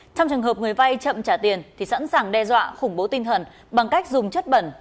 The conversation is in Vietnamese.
trong trường hợp người vay chậm trả tiền thì sẵn sàng đe dọa khủng bố tinh thần bằng cách dùng chất bẩn